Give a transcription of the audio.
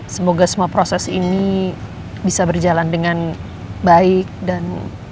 semoga semua proses ini bisa berjalan dengan baik dan